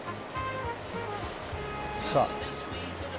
さあ。